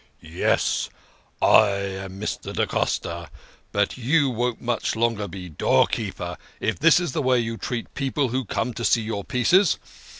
" Yes, / am Mr. da Costa, but you won't much longer be doorkeeper, if this is the way you treat people who come to see your pieces.